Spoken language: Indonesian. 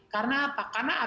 karena apa karena abs jalan